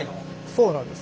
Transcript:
そうなんです。